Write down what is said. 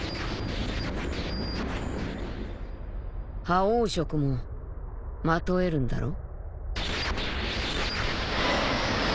覇王色もまとえるんだろ？